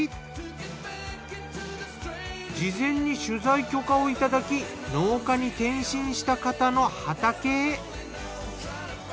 事前に取材許可を頂き農家に転身した方の畑へ。